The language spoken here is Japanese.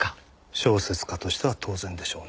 小説家としては当然でしょうね。